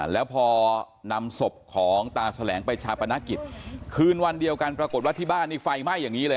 แล้วพอนำศพของตาแสลงไปชาปนกิจคืนวันเดียวกันปรากฏว่าที่บ้านนี่ไฟไหม้อย่างนี้เลย